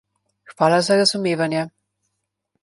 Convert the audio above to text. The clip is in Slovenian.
Hvala za razumevanje.